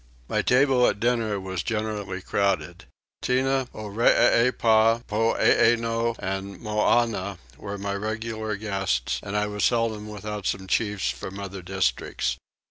My table at dinner was generally crowded. Tinah, Oreepyah, Poeeno, and Moannah, were my regular guests and I was seldom without some chiefs from other districts.